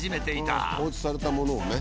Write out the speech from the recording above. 放置されたものをね